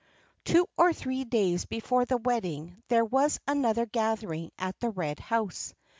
_ Two or three days before the wedding there was another gathering at the Red House.